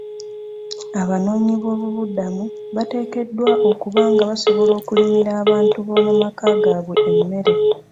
Abanoonyi b'obubuddamu bateekeddwa okuba nga basobola okulimira abantu b'omu maka gaabwe emmere.